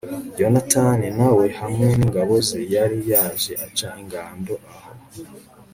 yonatani na we hamwe n'ingabo ze, yari yaje aca ingando aho